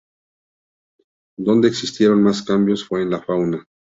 Donde existieron más cambios fue en la fauna.